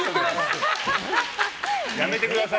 やめてください。